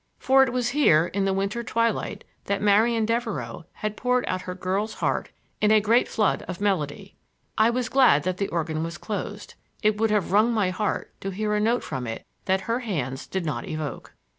For it was here, in the winter twilight, that Marian Devereux had poured out her girl's heart in a great flood of melody. I was glad that the organ was closed; it would have wrung my heart to hear a note from it that her hands did not evoke.